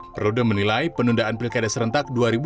perludem menilai penundaan pilkada serentak dua ribu dua puluh